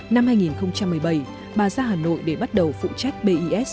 năm hai nghìn một mươi bảy bà ra hà nội để bắt đầu phụ trách bis